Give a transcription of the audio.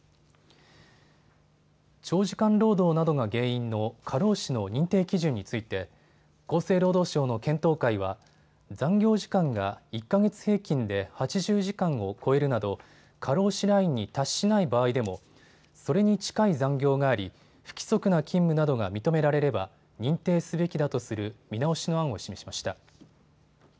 長時間労働などが原因の過労死の認定基準について厚生労働省の検討会は残業時間が１か月平均で８０時間を超えるなど過労死ラインに達しない場合でもそれに近い残業があり不規則な勤務などが認められれば認定すべきだとする見直しの案を示しました。